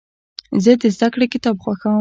زه د زدهکړې کتاب خوښوم.